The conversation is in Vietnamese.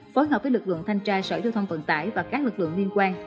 phối hợp với lực lượng thanh tra sở giao thông vận tải và các lực lượng liên quan